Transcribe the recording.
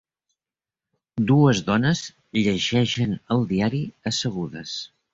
Dues dones llegeixen el diari assegudes.